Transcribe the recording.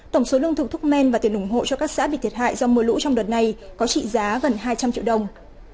tổng số lương thực thuốc men và tiền ủng hộ cho các xã bị thiệt hại do mưa lũ trong đợt này có trị giá gần hai trăm linh triệu đồng